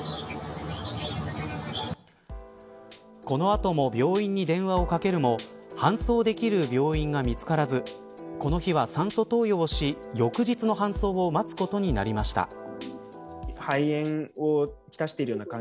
このあとも病院に電話をかけるも搬送できる病院が見つからずこの日は酸素投与をし翌日の搬送を待つことになりました。